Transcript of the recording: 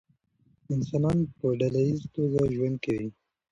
انسانان په ډله ایزه توګه ژوند کوي.